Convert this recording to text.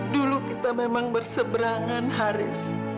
dulu kita memang berseberangan haris